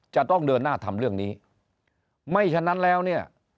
จะต้องเดินหน้าทำเรื่องนี้ไม่ฉะนั้นแล้วเนี่ย